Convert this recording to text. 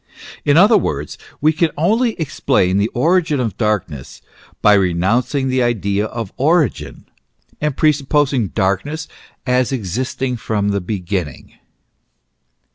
In other words, we can only explain the origin of darkness by renouncing the idea of origin, and presupposing darkness as existing from the beginning.